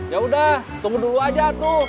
yaudah tunggu dulu aja aku